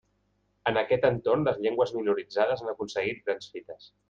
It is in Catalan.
En aquest entorn les llengües minoritzades han aconseguit grans fites.